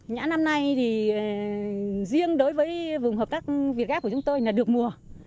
nhãn năm nay thì riêng đối với vùng hợp tác việt gáp của chúng tôi là được mùa